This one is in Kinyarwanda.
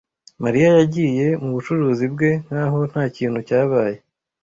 Mariya yagiye mubucuruzi bwe nkaho ntakintu cyabaye.